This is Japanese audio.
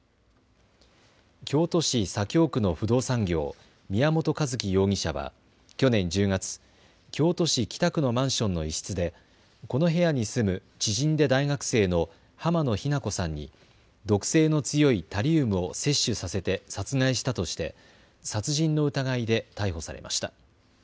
京都市左京区の不動産業、宮本一希容疑者は去年１０月、京都市北区のマンションの一室でこの部屋に住む知人で大学生の濱野日菜子さんに毒性の強いタリウムを摂取させて殺害したとして殺人の疑いで逮捕されました。